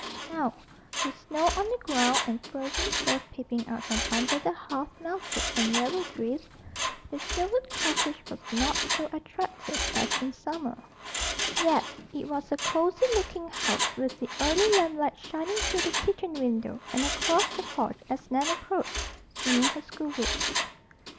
Now, with snow on the ground and frozen turf peeping out from under the half melted and yellowed drifts, the Sherwood cottage was not so attractive as in summer. Yet it was a cozy looking house with the early lamplight shining through the kitchen window and across the porch as Nan approached, swinging her schoolbooks.